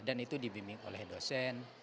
dan itu dibimbing oleh dosen